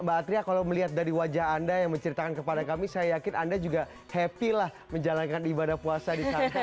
mbak atria kalau melihat dari wajah anda yang menceritakan kepada kami saya yakin anda juga happy lah menjalankan ibadah puasa di sana